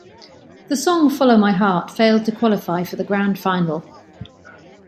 The song, "Follow My Heart", failed to qualify for the grand final.